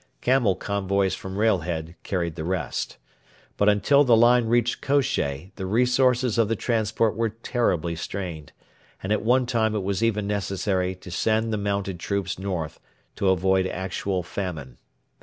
Camel convoys from Railhead carried the rest. But until the line reached Kosheh the resources of the transport were terribly strained, and at one time it was even necessary to send the mounted troops north to avoid actual famine.